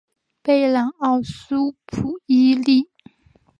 贝朗奥苏普伊利。